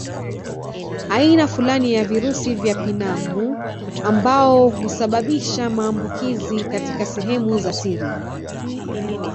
Aina fulani ya virusi vya pinamu ambao husababisha maambukizi katika sehemu za siri